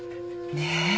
ねえ。